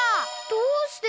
どうして！？